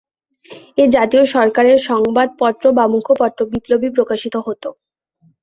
এই জাতীয় সরকারের সংবাদপত্র বা মুখপত্র "বিপ্লবী" প্রকাশিত হত।